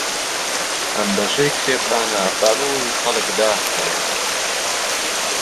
ئەم بەشەی کتێبخانە بەڕووی خەڵک داخراوە.